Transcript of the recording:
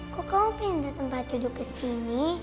kok kamu pindah tempat duduk kesini